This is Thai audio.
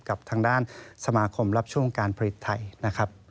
กับทางด้านสมาคมรับช่วงการผลิตไทยนะครับ